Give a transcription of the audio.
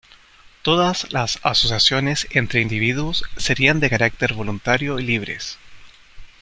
Todas las asociaciones entre individuos serían de carácter voluntario y libres.